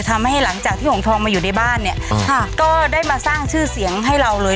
หลังจากที่หงทองมาอยู่ในบ้านเนี่ยค่ะก็ได้มาสร้างชื่อเสียงให้เราเลย